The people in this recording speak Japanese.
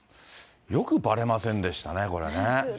よくばれませんでしたね、これね。